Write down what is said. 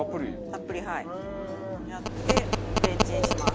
たっぷりやってレンチンします。